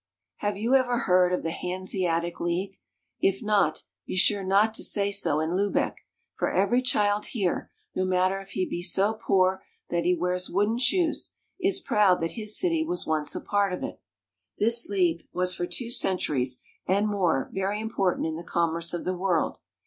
Have you ever heard of the Hanseatic League ? If not, be sure not to say so in Lubeck, for every child here, no matter if he be so poor that he wears wooden shoes, is proud that his city was once a part of it. This league was for two centuries and more very important in the commerce of the world.